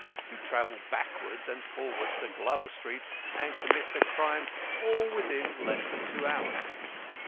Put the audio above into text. to travel backwards and forwards to Glover Street and commit the crime all within less than two hours.